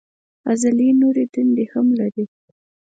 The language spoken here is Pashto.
عضلې نورې دندې هم لري.